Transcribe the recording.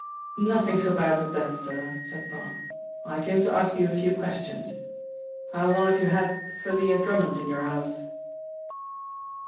"Nothing so bad as that, sir," said Parr. "I came to ask you a few questions. How long have you had Thalia Drummond in your house?"